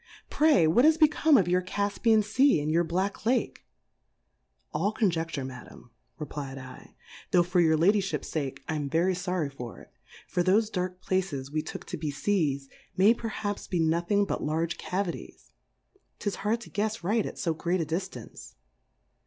Pray, what is become of your Cffpian Sea, and your B^ack Lake ? All Conjefture, Madam, reply^d 7, tho' for your Lady fhip's Sake, I am very forry for it 5 for thofe darlc Places we took to be Seas, may perhaps be nothing but large Ca vities ] 'tis hard to guefs right at fo great a diltance.